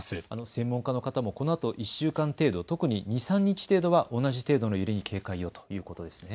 専門家の方もこのあと１週間程度、特に２、３日程度は同じ程度の揺れに警戒をということですね。